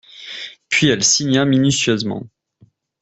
Puis elle signa minutieusement.